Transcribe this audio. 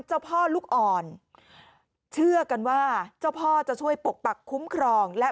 เจ้าพ่อลูกอ่อนเชื่อกันว่าเจ้าพ่อจะช่วยปกปักคุ้มครองและ